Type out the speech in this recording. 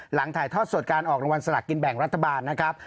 ถ่ายทอดสดการออกรางวัลสลักกินแบ่งรัฐบาลนะครับ